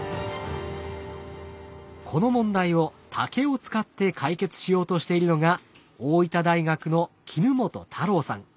この問題を竹を使って解決しようとしているのが大分大学の衣本太郎さん。